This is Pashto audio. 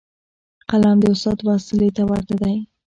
قلم د استاد وسلې ته ورته دی.